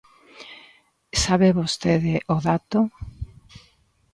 ¿Sabe vostede o dato?